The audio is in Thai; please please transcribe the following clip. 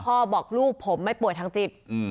บอกลูกผมไม่ป่วยทางจิต